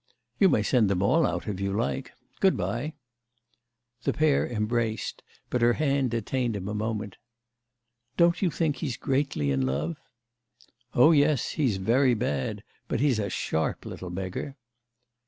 "You may send them all out if you like. Goodbye!" The pair embraced, but her hand detained him a moment. "Don't you think he's greatly in love?" "Oh yes, he's very bad—but he's a sharp little beggar."